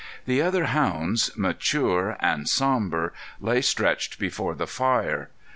The other hounds, mature and somber, lay stretched before the fire.